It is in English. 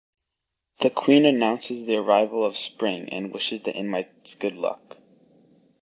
The Queen announces the arrival of spring and wishes the inmates good luck.